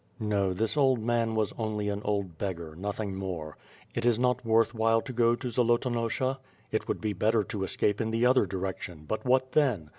No, this old man was only an old beggar, nothing more. It is not worth while to go to Zolotonosha? It will i)e better to escape in the other direction, but what then?